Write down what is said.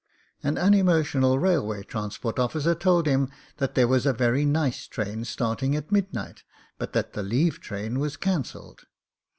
An unemotional railway transport offi cer told him that there was a very nice train starting at midnight, but that the leave train was cancelled.